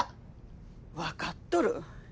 分かっとる。